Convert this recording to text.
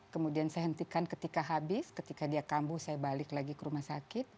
kemudian saya hentikan ketika habis ketika dia kambuh saya balik lagi ke rumah sakit